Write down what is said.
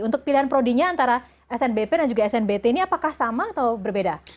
untuk pilihan prodinya antara snbp dan juga snbt ini apakah sama atau berbeda